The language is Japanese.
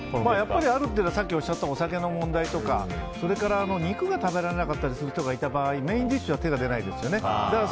あるというのはさっきおっしゃったお酒の問題とかそれから肉が食べられなかった人がいた場合メインディッシュには手が出ないですよね。